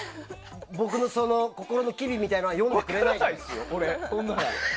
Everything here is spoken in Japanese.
僕の心の機微みたいなのは読んでくれないんだよね？